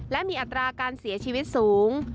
และมีอัตราการเสียชีวิตสูง